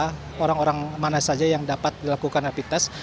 dan juga orang orang mana saja yang dapat dilakukan rapid test